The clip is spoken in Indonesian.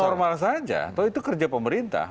normal saja atau itu kerja pemerintah